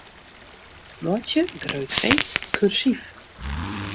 Meitsje 'grut feest' kursyf.